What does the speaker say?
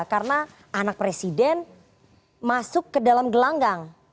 karena anak presiden masuk ke dalam gelanggang